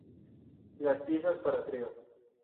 Las piezas para trío.